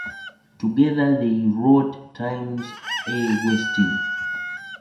Together, they wrote "Time's A-Wastin".